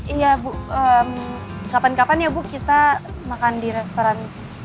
iya bu kapan kapan ya bu kita makan di restoran